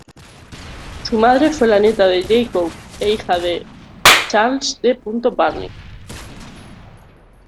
Su madre fue la nieta de Jay Cooke e hija de Charles D. Barney.